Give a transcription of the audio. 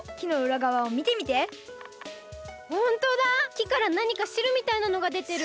木からなにかしるみたいなのがでてる！